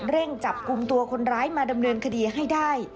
เร่งจับกลุ่มตัวคนร้ายมาดำเนินคดีให้ได้